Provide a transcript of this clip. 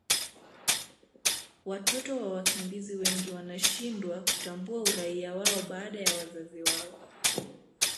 watoto wa wakimbizi wengi wanashindwa kutambua uraia wao baada ya wazazi wao